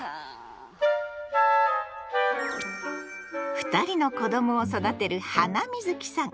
２人の子どもを育てるハナミズキさん。